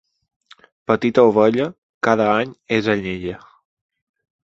Petita ovella, cada any és anyella.